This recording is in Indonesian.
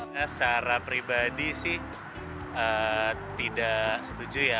saya secara pribadi sih tidak setuju ya